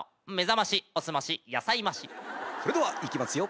それではいきますよ。